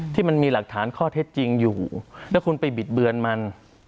ที่มีหลักฐานข้อเท็จจริงอยู่แล้วคุณไปบิดเบือนมัน